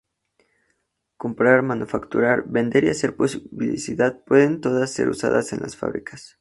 Comprar, manufacturar, vender y hacer publicidad pueden todas ser usadas en las fábricas.